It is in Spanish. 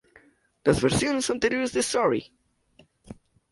Las versiones anteriores de Sorry!